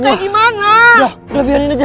udah biarin aja